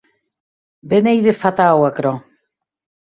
Be n’ei de fatau aquerò!